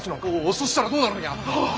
そしたらどうなるんや？